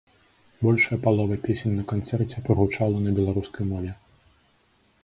Большая палова песень на канцэрце прагучала на беларускай мове.